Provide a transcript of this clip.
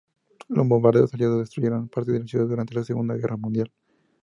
Los bombardeos aliados destruyeron parte de la ciudad durante la Segunda Guerra Mundial.